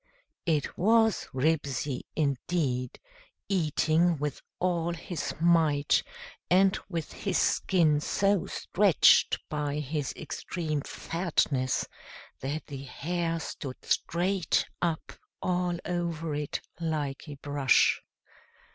It was Ribsy, indeed, eating with all his might, and with his skin so stretched by his extreme fatness that the hair stood straight up all over it like a brush.